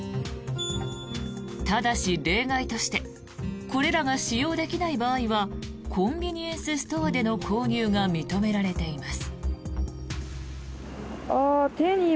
ただし、例外としてこれらが使用できない場合はコンビニエンスストアでの購入が認められています。